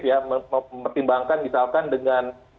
saya mempertimbangkan misalkan dengan